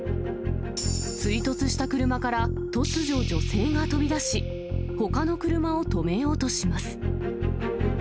追突した車から突如、女性が飛び出し、ほかの車を止めようとします。